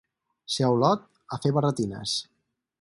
Ser a Olot, a fer barretines.